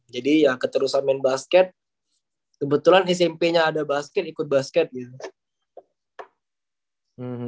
jadi ya keterusan main basket kebetulan smp nya ada basket ikut basket gitu